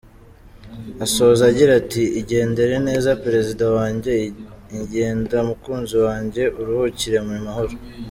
Asoza agira ati “Igendere neza Perezida wanjye, igenda mukunzi wanjye, uruhukire mu mahoro.